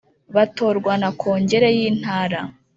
Batorwa na Kongere y’Intara